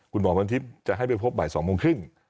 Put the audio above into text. หมอวันทิพย์จะให้ไปพบบ่าย๒โมงครึ่ง